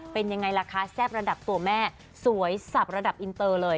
เป็นยังไงล่ะคะแซ่บระดับตัวแม่สวยสับระดับอินเตอร์เลย